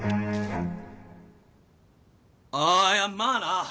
ああいやまあな。